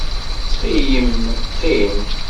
Ttxil-m qqim.